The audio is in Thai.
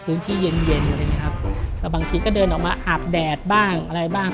พื้นที่เย็นเย็นอะไรอย่างเงี้ครับแล้วบางทีก็เดินออกมาอาบแดดบ้างอะไรบ้าง